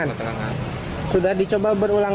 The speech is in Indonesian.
kota bogor mencapai dua puluh dua orang